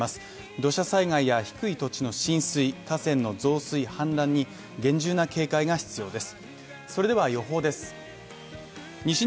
土砂災害や低い土地の浸水河川の増水・氾濫に厳重な警戒が必要です。